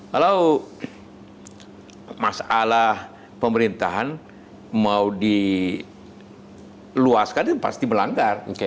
kalau masalah pemerintahan mau diluaskan pasti melanggar